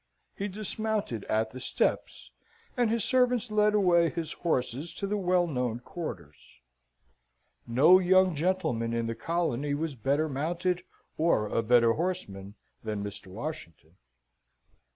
He dismounted at the steps, and his servants led away his horses to the well known quarters. No young gentleman in the colony was better mounted or a better horseman than Mr. Washington.